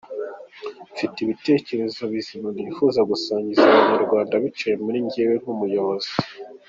Mfite ibitekerezo bizima nifuza gusangiza Abanyarwanda biciye muri njyewe nk’umuyobozi.